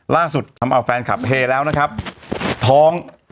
ทำเอาแฟนคลับเฮแล้วนะครับท้อง